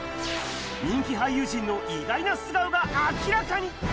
人気俳優陣の意外な素顔が明らかに。